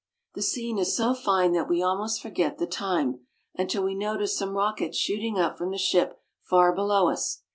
The scene is so fine that we almost forget the time, until we notice some rockets shooting up from the ship far below us.